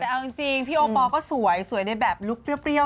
แต่เอาจริงพี่โอปอลก็สวยสวยในแบบลุคเปรี้ยว